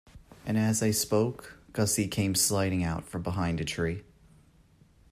And, as I spoke, Gussie came sidling out from behind a tree.